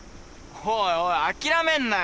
おいおいあきらめんなよ。